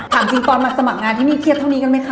ถามจริงตอนมาสมัครงานที่นี่เครียดเท่านี้กันไหมคะ